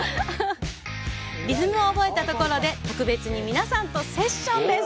リズムを覚えたところで特別に皆さんとセッションです。